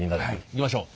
いきましょう。